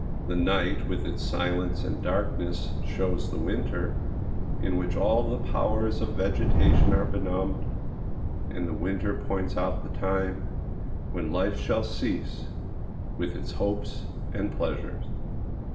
The night with its silence and darkness shows the winter, in which all the powers of vegetation are benumbed; and the winter points out the time when life shall cease, with its hopes and pleasures.